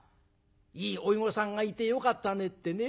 いい甥御さんがいてよかったねってね。